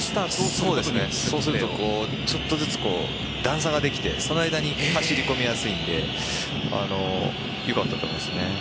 そうするとちょっとずつ段差ができてその間に走り込みやすいのでよかったと思いますね。